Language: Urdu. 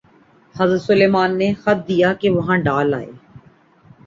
حضرت سلیمان نے خط دیا کہ وہاں ڈال آئے۔